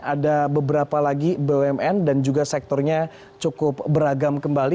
ada beberapa lagi bumn dan juga sektornya cukup beragam kembali